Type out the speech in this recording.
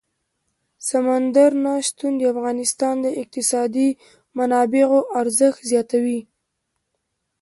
سمندر نه شتون د افغانستان د اقتصادي منابعو ارزښت زیاتوي.